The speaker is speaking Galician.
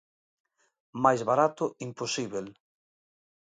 Mais barato imposíbel.